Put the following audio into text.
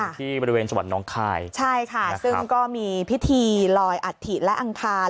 ค่ะที่บริเวณจับรรย์น้องคลายใช่ค่ะนะครับซึ่งก็มีพิธีลอยอัดถีและอังคาร